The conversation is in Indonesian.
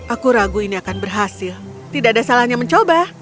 aku ragu ini akan berhasil tidak ada salahnya mencoba